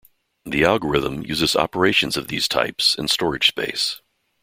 The algorithm uses operations of these types, and storage space.